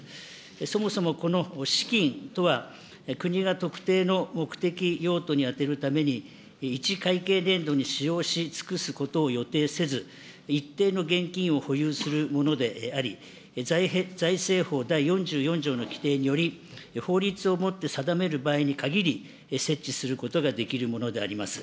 そもそもこの資金とは、国が特定の目的、用途に充てるために、１会計年度に使用し尽くすことを一定の現金を保有するものであり、財政法第４４条の規定により、法律をもって定める場合にかぎり、設置することができるものであります。